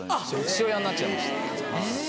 父親になっちゃいましたはい。